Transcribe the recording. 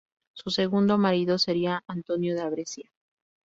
Su segundo marido sería Antonio da Brescia.